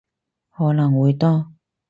可能會多